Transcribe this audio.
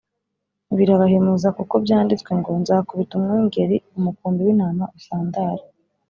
birabahemuza, kuko byanditswe ngo, nzakubita umwungeri, umukumbi w’intama usandare